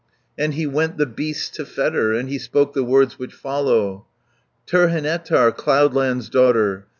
Then he went the beasts to fetter, And he spoke the words which follow: "Terhenetar, Cloudland's daughter!